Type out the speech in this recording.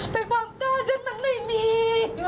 แต่ความกล้าฉันมันไม่มี